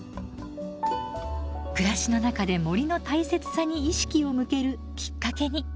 暮らしの中で森の大切さに意識を向けるきっかけに。